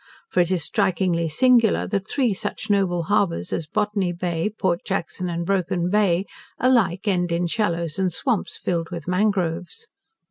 For it is strikingly singular that three such noble harbours as Botany Bay, Port Jackson, and Broken Bay, alike end in shallows and swamps, filled with mangroves.